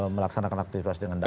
melaksanakan aktivitas dengan baik